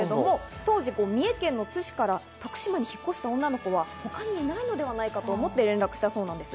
当時、三重県の津市から徳島に引っ越した女の子は他にいないのではないかと思って連絡したそうなんです。